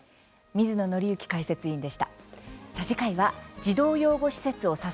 水野倫之解説委員でした。